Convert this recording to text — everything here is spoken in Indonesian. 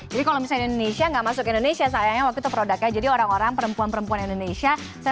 jadi kalau misalnya indonesia gak masuk indonesia sayangnya waktu itu produknya jadi orang orang perempuan perempuan indonesia